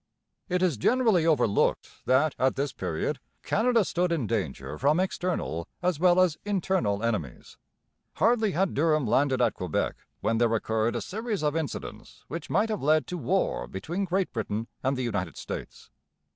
It is generally overlooked that at this period Canada stood in danger from external as well as internal enemies. Hardly had Durham landed at Quebec when there occurred a series of incidents which might have led to war between Great Britain and the United States.